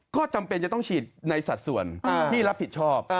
ก็จำเป็นจะต้องฉีดในสัดส่วนที่รับผิดชอบ